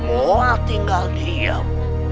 mulai tinggal diam